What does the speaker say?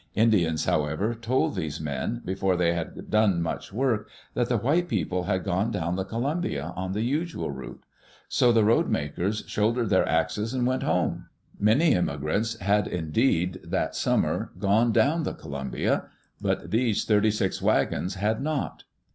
Indians, however, told these men, before they had done much work, that the white people had gone down the Columbia, on the usual route. So the road makers shouldered their axes and went home. Many immigrants had indeed that sunmier gone down the Columbia; but these thirty six wagons had not.